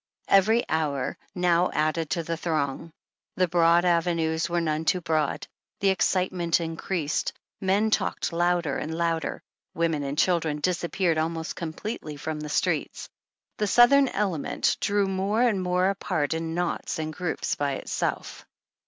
Every hour now added to the throng. The broad avenues were none too broad. The excitement increased. Men talked louder and louder, women and children disappeared almost completely from the streets. The Southern element" drew more and more apart in knots and groups by itself.